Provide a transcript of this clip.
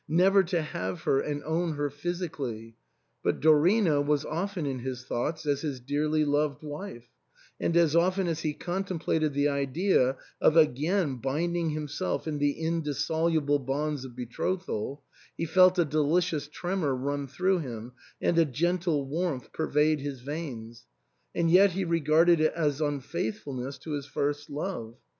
never to have her and own her physically ! But Dorina was often in his thoughts as his dearly loved wife ; and as often as he contemplated the idea of again binding himself in the indissoluble bonds of betrothal,' he felt a delicious tremor run through him and a gentle warmth pervade his veins ; and yet he regarded it as unfaithfulness to his first love.